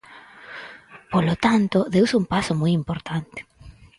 Polo tanto, deuse un paso moi importante.